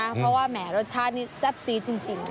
เพราะว่ารสชาตินี้ซับซีดจริงค่ะ